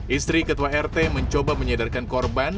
istri ketua rt mencoba menyadarkan korban